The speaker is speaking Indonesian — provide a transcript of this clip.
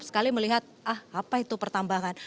sekali melihat ah apa itu pertambangan